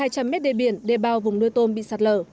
cần hai trăm linh m đề biển đề bao vùng nuôi tôm bị sạt lở